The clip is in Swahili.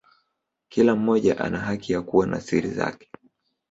Kila mmoja ana haki ya kuwa na siri zake.